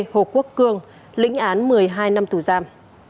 hồ quốc cường lĩnh án một mươi hai năm tủ giam